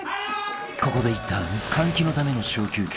［ここでいったん換気のための小休憩］